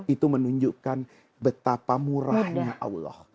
itu menunjukkan betapa murahnya allah